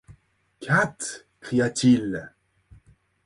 Katt ! cria-t-il.